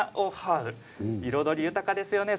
彩り豊かですね